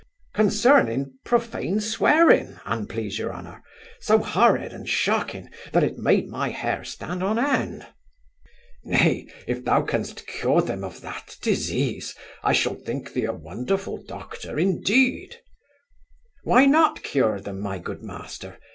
'Concerning profane swearing, an please your honour; so horrid and shocking, that it made my hair stand on end.' 'Nay, if thou can'st cure them Of that disease, I shall think thee a wonderful doctor indeed' 'Why not cure them, my good master?